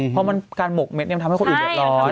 เพราะมันการหมกเม็ดเนี่ยมันทำให้คนอื่นเดินร้อน